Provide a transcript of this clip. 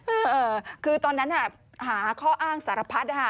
เออคือตอนนั้นหาข้ออ้างสารพัด